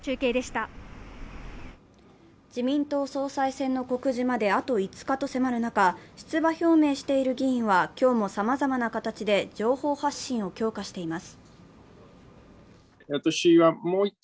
自民党総裁選の告示まであと５日と迫る中、出馬表明している議員は今日もさまざまな形で情報発信を強化しています。